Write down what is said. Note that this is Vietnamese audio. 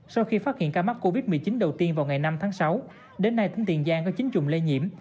sau khi phát hiện ca mắc covid một mươi chín đầu tiên vào ngày năm tháng sáu đến nay tỉnh tiền giang có chín chủng lây nhiễm